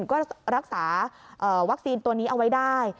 ก็รักษาวัคซีนตัวนี้เอาไว้ได้